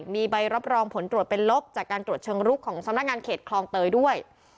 มีใบรับรองผลตรวจเป็นลบจากการตรวจเชิงลุกของสำนักงานเขตคลองเตยด้วย